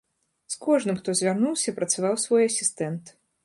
З кожным, хто звярнуўся, працаваў свой асістэнт.